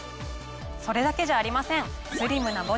それだけじゃありません！